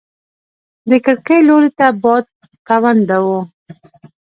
د کړکۍ لوري ته باد تونده و.